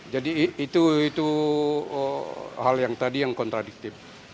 jadi itu hal yang tadi yang kontradiktif